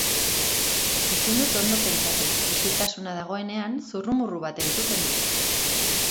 Ezin dut ondo pentsatu, ixiltasuna dagoenean zurrumurru bat entzuten dut.